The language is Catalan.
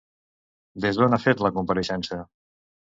Des d'on ha fet la compareixença?